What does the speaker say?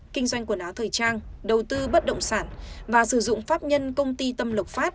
kinh doanh quần áo thời trang đầu tư bất động sản và sử dụng pháp nhân công ty tâm lộc phát